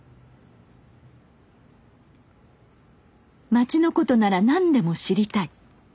町のことなら何でも知りたい。